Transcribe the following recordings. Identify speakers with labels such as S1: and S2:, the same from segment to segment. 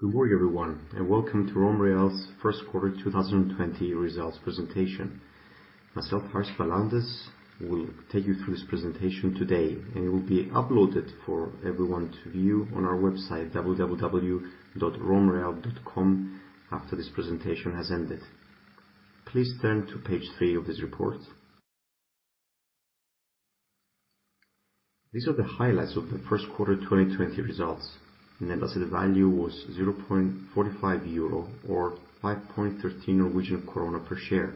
S1: Good morning, everyone, and welcome to RomReal's first quarter 2020 results presentation. Myself, Harris Palaondas, will take you through this presentation today, and it will be uploaded for everyone to view on our website, romreal.com, after this presentation has ended. Please turn to page three of this report. These are the highlights of the first quarter 2020 results. Net asset value was 0.45 euro or 5.13 per share,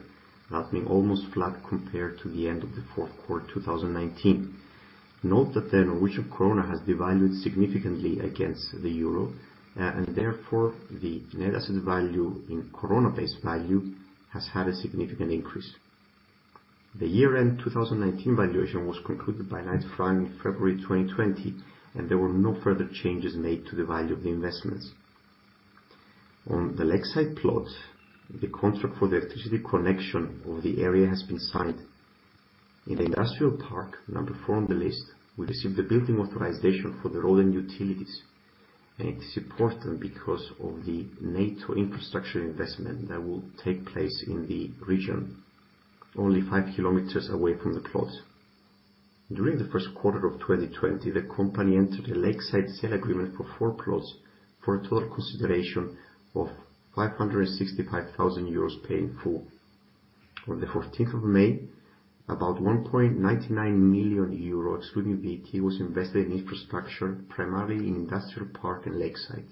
S1: that being almost flat compared to the end of the fourth quarter 2019. Note that the NOK has devalued significantly against the EUR, and therefore the net asset value in NOK base value has had a significant increase. The year-end 2019 valuation was concluded by Knight Frank in February 2020, and there were no further changes made to the value of the investments. On the lakeside plot, the contract for the electricity connection of the area has been signed. In the industrial park, number four on the list, we received the building authorization for the road and utilities, and it is important because of the NATO infrastructure investment that will take place in the region only 5 km away from the plot. During the first quarter of 2020, the company entered a lakeside sale agreement for four plots for a total consideration of 565,000 euros paid in full. On the May 14th, about 1.99 million euro, excluding VAT, was invested in infrastructure, primarily in industrial park and lakeside.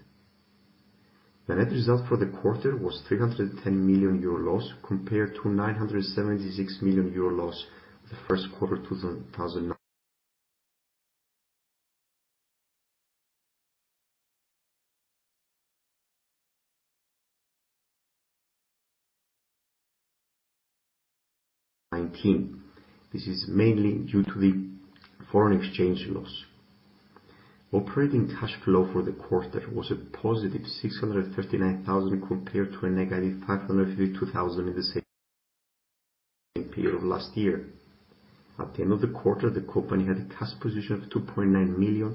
S1: The net result for the quarter was 310 million euro loss compared to 976 million euro loss the first quarter 2019. This is mainly due to the foreign exchange loss. Operating cash flow for the quarter was a +659,000 compared to a -552,000 in the same period of last year. At the end of the quarter, the company had a cash position of 2.9 million+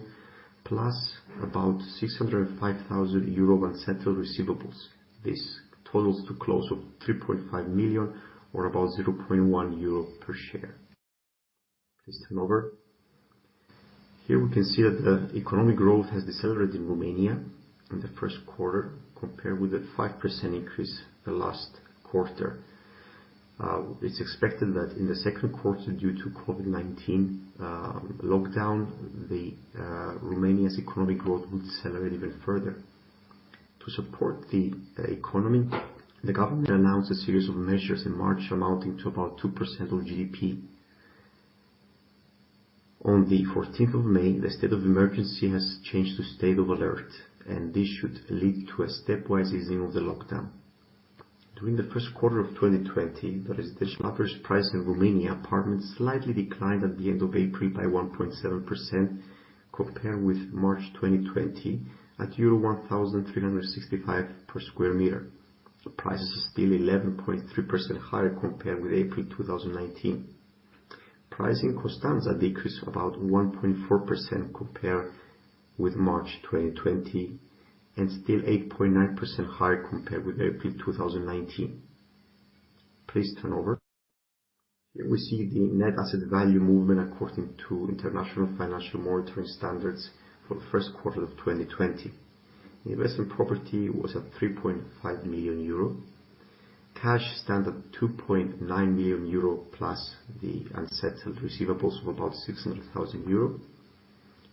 S1: about 605,000 euro unsettled receivables. This totals to close to 3.5 million or about 0.1 euro per share. Please turn over. Here we can see that the economic growth has decelerated in Romania in the first quarter compared with the 5% increase the last quarter. It's expected that in the second quarter, due to COVID-19 lockdown, the Romania's economic growth would decelerate even further. To support the economy, the government announced a series of measures in March amounting to about 2% of GDP. On the May 14th, the state of emergency has changed to state of alert, this should lead to a stepwise easing of the lockdown. During the first quarter of 2020, the residential average price in Romania apartments slightly declined at the end of April by 1.7% compared with March 2020 at euro 1,365 per square meter. Prices are still 11.3% higher compared with April 2019. Price in Constanta decreased about 1.4% compared with March 2020 and still 8.9% higher compared with April 2019. Please turn over. Here we see the net asset value movement according to International Financial Reporting Standards for the first quarter of 2020. The investment property was at 3.5 million euro. Cash stand at 2.9 million euro+ the unsettled receivables of about 600,000 euro.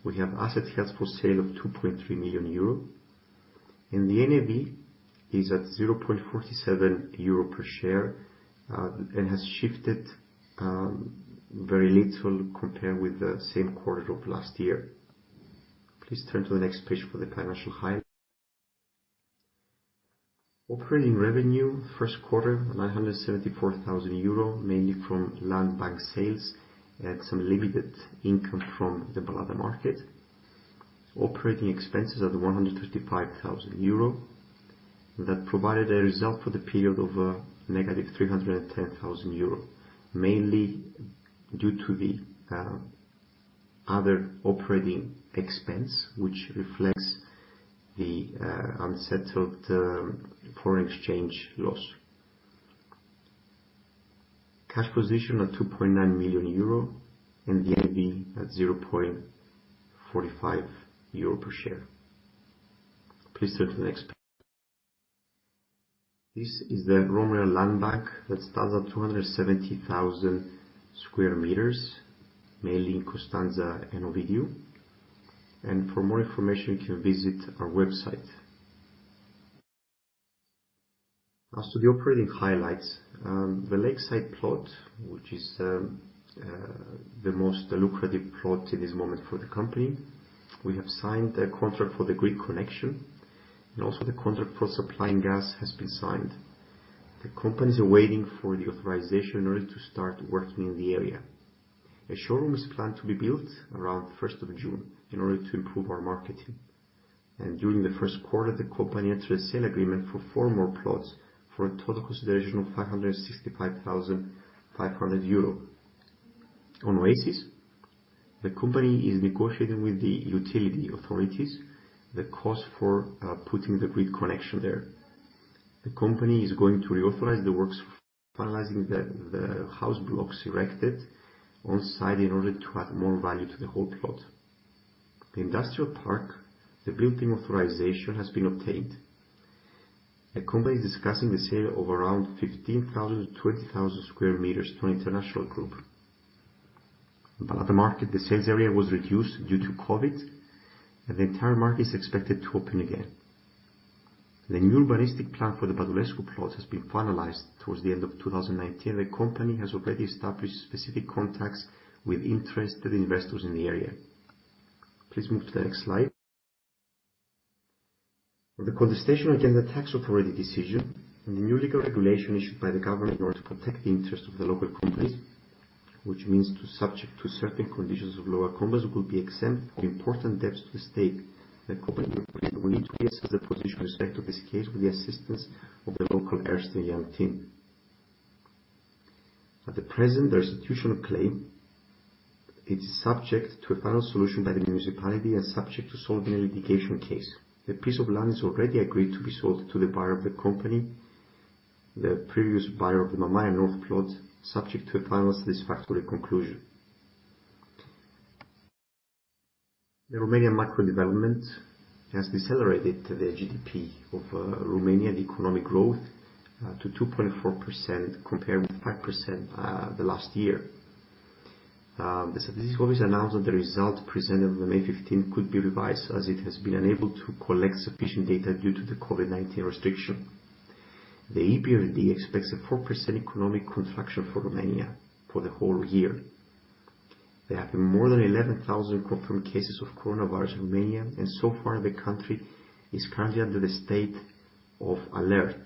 S1: We have assets held for sale of 2.3 million euro. The NAV is at 0.47 euro per share, and has shifted very little compared with the same quarter of last year. Please turn to the next page for the financial highlights. Operating revenue, first quarter, 974,000 euro, mainly from land bank sales and some limited income from the Balada market. Operating expenses at 135,000 euro. That provided a result for the period of a -310,000 euro, mainly due to the other operating expense, which reflects the unsettled foreign exchange loss. Cash position at 2.9 million euro and the NAV at 0.45 euro per share. Please turn to the next page. This is the RomReal land bank that stands at 270,000 sq m, mainly in Constanta and Ovidiu. For more information, you can visit our website. As to the operating highlights, the lakeside plot, which is the most lucrative plot in this moment for the company, we have signed the contract for the grid connection, and also the contract for supplying gas has been signed. The company is awaiting for the authorization in order to start working in the area. A showroom is planned to be built around June 1st in order to improve our marketing. During the first quarter, the company entered a sale agreement for four more plots for a total consideration of 565,500 euro. On Oasis, the company is negotiating with the utility authorities the cost for putting the grid connection there. The company is going to reauthorize the works for finalizing the house blocks erected on-site in order to add more value to the whole plot. The industrial park, the building authorization has been obtained. The company is discussing the sale of around 15,000 sq m-20,000 sq m to an international group. Balada market, the sales area was reduced due to COVID-19, and the entire market is expected to open again. The new urbanistic plan for the Badulescu plots has been finalized towards the end of 2019. The company has already established specific contacts with interested investors in the area. Please move to the next slide. For the contestation against the tax authority decision and the new legal regulation issued by the government in order to protect the interest of the local companies, which means subject to certain conditions of local companies will be exempt from important debts to the state. The company will need to reassess the position with respect to this case with the assistance of the local Ernst & Young team. At the present, the institutional claim is subject to a final solution by the municipality and subject to solving a litigation case. The piece of land is already agreed to be sold to the buyer of the company, the previous buyer of the Mamaia North plot, subject to a final satisfactory conclusion. The Romanian macro development has decelerated the GDP of Romanian economic growth to 2.4% compared with 5% last year. The statistics office announced that the result presented on May 15th could be revised as it has been unable to collect sufficient data due to the COVID-19 restriction. The EBRD expects a 4% economic contraction for Romania for the whole year. There have been more than 11,000 confirmed cases of coronavirus in Romania, and so far, the country is currently under the state of alert.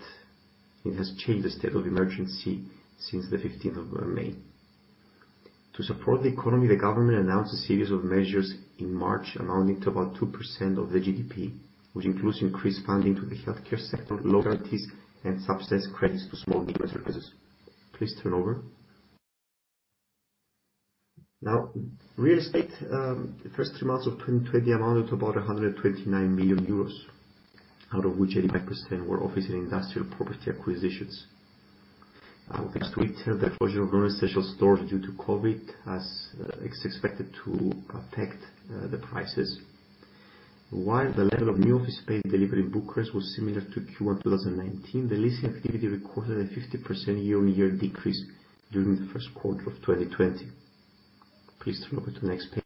S1: It has changed the state of emergency since the May 15th. To support the economy, the government announced a series of measures in March amounting to about 2% of the GDP, which includes increased funding to the healthcare sector, local authorities, and subsidized credits to small and medium enterprises. Please turn over. Now, real estate. The first three months of 2020 amounted to about 129 million euros, out of which 85% were office and industrial property acquisitions. Thanks to retail, the closure of non-essential stores due to COVID-19 is expected to affect the prices. While the level of new office space delivery in Bucharest was similar to Q1 2019, the leasing activity recorded a 50% year-on-year decrease during the first quarter of 2020. Please turn over to the next page.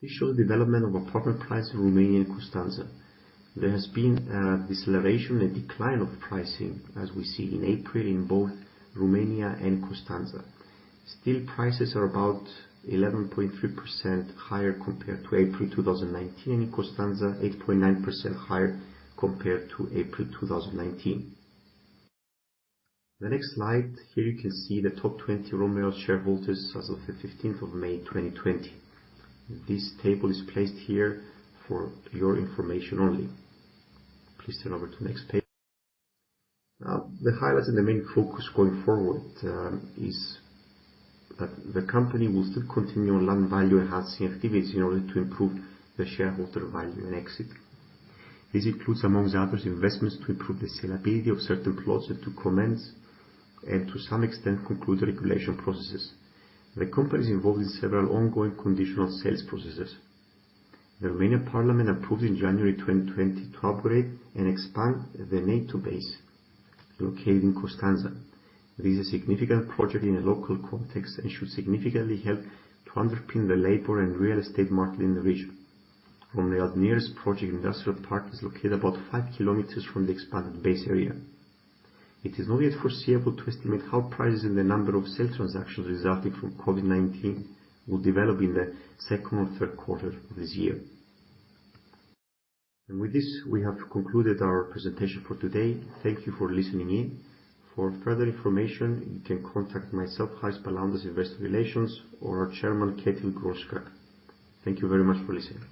S1: This shows the development of apartment prices in Romania and Constanta. There has been a deceleration and decline of pricing, as we see in April in both Romania and Constanta. Still, prices are about 11.3% higher compared to April 2019 and in Constanta, 8.9% higher compared to April 2019. The next slide, here you can see the top 20 RomReal shareholders as of the May 15th, 2020. This table is placed here for your information only. Please turn over to next page. The highlights and the main focus going forward is that the company will still continue on land value enhancing activities in order to improve the shareholder value and exit. This includes, among others, investments to improve the sellability of certain plots and to commence and to some extent conclude regulation processes. The company is involved in several ongoing conditional sales processes. The Romanian Parliament approved in January 2020 to operate and expand the NATO base located in Constanta. This is a significant project in the local context and should significantly help to underpin the labor and real estate market in the region. RomReal nearest project industrial park is located about 5 km from the expanded base area. It is not yet foreseeable to estimate how prices and the number of sale transactions resulting from COVID-19 will develop in the second or third quarter of this year. With this, we have concluded our presentation for today. Thank you for listening in. For further information, you can contact myself, Harris Palaondas, Investor Relations, or our Chairman, Katherine Gorska. Thank you very much for listening.